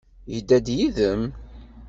Yedda-d yid-m?